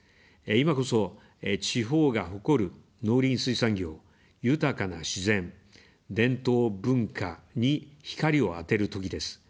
今こそ、地方が誇る農林水産業、豊かな自然、伝統・文化に光を当てるときです。